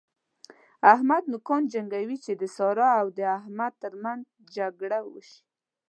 احمد نوکان جنګوي چې د سارا او احمد تر منځ جګړه وشي.